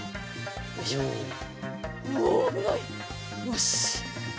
よし。